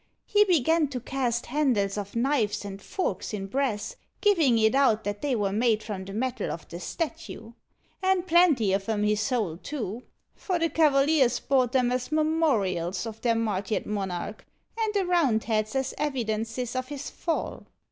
He began to cast handles of knives and forks in brass, giving it out that they were made from the metal of the statue. And plenty of 'em he sold too, for the Cavaliers bought 'em as memorials of their martyred monarch, and the Roundheads as evidences of his fall.